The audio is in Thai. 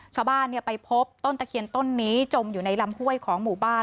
ชาวบ้านไปพบต้นตะเคียนต้นนี้จมอยู่ในลำห้วยของหมู่บ้าน